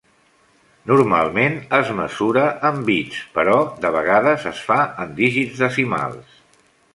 Normalment es mesura en bits, però de vegades es fa en dígits decimals.